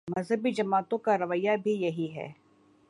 مذہبی جماعتوں کا رویہ بھی یہی ہے۔